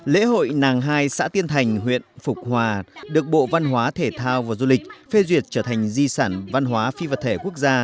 lễ hội nàng hai xã tiên thành huyện phục hòa được bộ văn hóa thể thao và du lịch phê duyệt trở thành di sản văn hóa phi vật thể quốc gia